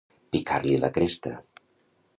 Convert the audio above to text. Picar-li la cresta.